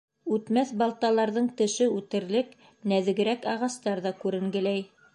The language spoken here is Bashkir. Үтмәҫ балталарҙың теше үтерлек нәҙегерәк ағастар ҙа күренгеләй.